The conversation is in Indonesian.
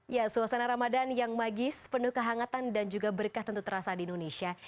ya suasana ramadan yang magis penuh kehangatan dan juga berkah tentu terasa di indonesia